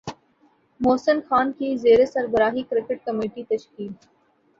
محسن خان کی زیر سربراہی کرکٹ کمیٹی تشکیل